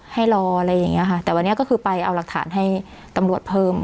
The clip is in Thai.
ให้รออะไรอย่างเงี้ยค่ะแต่วันนี้ก็คือไปเอาหลักฐานให้ตำรวจเพิ่ม